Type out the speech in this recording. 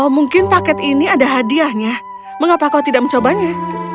mungkin paket ini ada hadiahnya mengapa kau tidak mencobanya